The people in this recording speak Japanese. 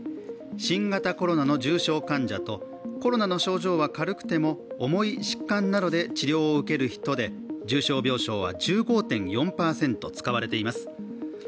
新型コロナの重症患者とコロナの症状は軽くても重い疾患などで治療を受ける人で重症病床は１５．４％使われています。